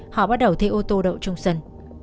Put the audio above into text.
họ bắt đầu thê ô tô đậu trong sân